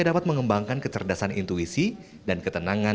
dapat mengembangkan kecerdasan intuisi dan ketenangan